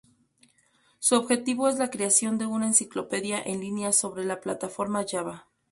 Su objetivo es la creación de una enciclopedia en línea sobre la plataforma Java.